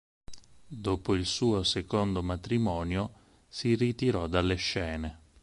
Dopo il suo secondo matrimonio, si ritirò dalle scene.